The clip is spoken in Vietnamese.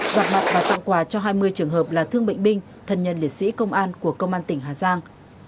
gặp mặt và tặng quà cho hai mươi trường hợp là thương bệnh binh thân nhân liệt sĩ công an của công an tỉnh hà giang